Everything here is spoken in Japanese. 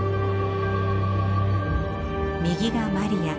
右がマリア。